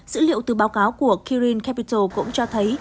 dữ liệu từ báo cáo của kirin capital cũng cho thấy